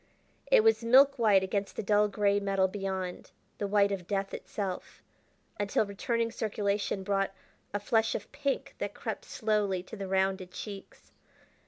It was milk white against the dull gray metal beyond, the white of death itself, until returning circulation brought a flush of pink that crept slowly to the rounded cheeks.